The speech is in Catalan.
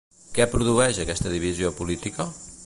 Què produeix aquesta divisió política?